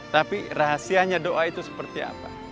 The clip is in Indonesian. tapi rahasianya doa itu seperti apa